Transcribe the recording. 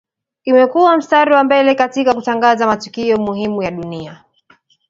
imekua mstari wa mbele katika kutangaza matukio muhimu ya dunia